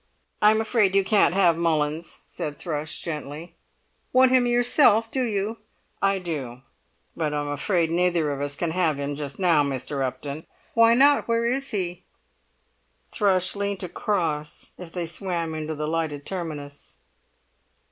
"I'm afraid you can't have Mullins," said Thrush, gently. "Want him yourself do you?" "I do; but I'm afraid neither of us can have him just now, Mr. Upton." "Why not? Where is he." Thrush leant across as they swam into the lighted terminus.